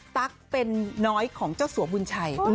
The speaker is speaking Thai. ตั๊กเป็นน้อยของเจ้าสัวบุญชัย